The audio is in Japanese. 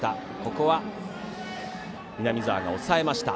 ここは南澤が抑えました。